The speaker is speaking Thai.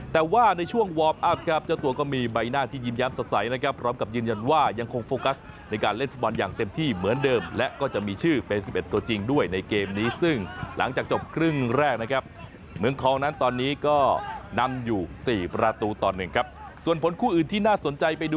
แต่ว่าในช่วงวอร์มอัพครับเจ้าตัวก็มีใบหน้าที่ยิ้มแย้มสดใสนะครับพร้อมกับยืนยันว่ายังคงโฟกัสในการเล่นฟุตบอลอย่างเต็มที่เหมือนเดิมและก็จะมีชื่อเป็น๑๑ตัวจริงด้วยในเกมนี้ซึ่งหลังจากจบครึ่งแรกนะครับเมืองทองนั้นตอนนี้ก็นำอยู่สี่ประตูต่อหนึ่งครับส่วนผลคู่อื่นที่น่าสนใจไปดู